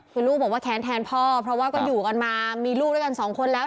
คือลูกบอกว่าแค้นแทนพ่อเพราะว่าก็อยู่กันมามีลูกด้วยกันสองคนแล้ว